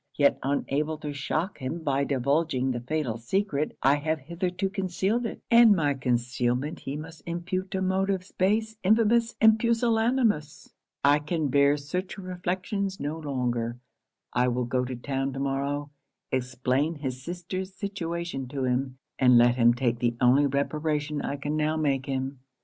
Yet unable to shock him by divulging the fatal secret, I have hitherto concealed it, and my concealment he must impute to motives base, infamous, and pusillanimous. I can bear such reflections no longer I will go to town to morrow, explain his sister's situation to him, and let him take the only reparation I can now make him.'